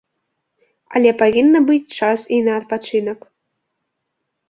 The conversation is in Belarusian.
Але павінна быць час і на адпачынак.